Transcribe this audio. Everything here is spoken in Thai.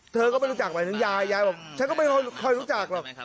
เธอก็ไม่รู้จักหมายถึงยายยายบอกฉันก็ไม่ค่อยรู้จักหรอก